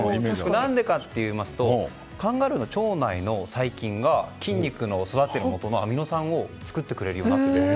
何でかというとカンガルーの腸内の細菌が筋肉が育っている元のアミノ酸を作ってくれるようになっていると。